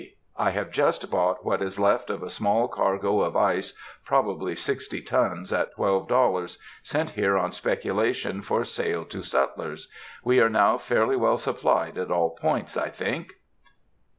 I have just bought what is left of a small cargo of ice, probably sixty tons, at twelve dollars, sent here on speculation for sale to sutlers. We are now fairly well supplied at all points, I think.